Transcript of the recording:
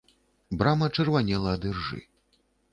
Брама чырванела ад іржы.